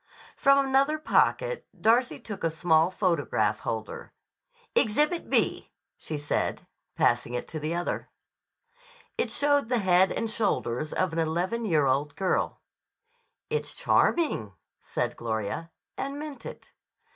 From another pocket Darcy took a small photograph holder. "Exhibit B," she said, passing it to the other. It showed the head and shoulders of an eleven year old girl. "It's charming," said Gloria, and meant it.